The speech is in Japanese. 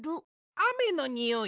あめのにおい？